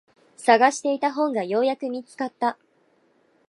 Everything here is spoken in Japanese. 探していた本がようやく見つかった。